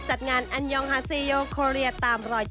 จัดงานอันยองฮาซีโยโคเรียตามรอย๗